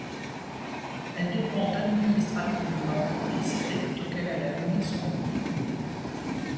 Elle dépend administrativement du district auquel elle a donné son nom.